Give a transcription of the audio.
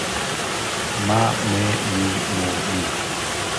ма ме ми мо му